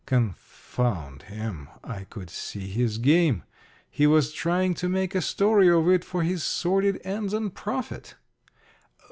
Confound him, I could see his game. He was trying to make a story of it for his sordid ends and profit.